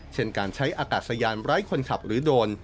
เช่นการใช้อากาศยานไร้คนขับหรือโดน